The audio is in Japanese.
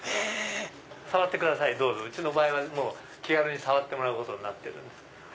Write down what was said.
触ってくださいうちは気軽に触ってもらうことになってるんで。